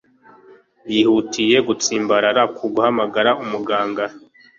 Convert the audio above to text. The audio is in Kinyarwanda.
yihutiye gutsimbarara ku guhamagara umuganga